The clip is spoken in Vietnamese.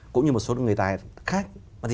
cũng như một số người tài khác